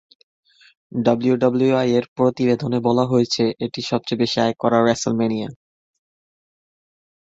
WWE এর প্রতিবেদনে বলা হয়েছে এটি সবচেয়ে বেশি আয় করা রেসলম্যানিয়া।